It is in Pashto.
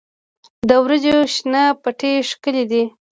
د وریجو شنه پټي ښکلي دي.